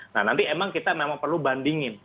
nah nanti emang kita memang perlu bandingin